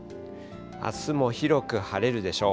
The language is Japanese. あすも広く晴れるでしょう。